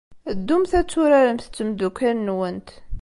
Ddumt ad turaremt d tmeddukal-nwent.